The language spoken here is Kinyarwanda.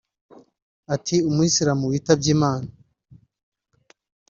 Ati “Umusilamu witwabye Imana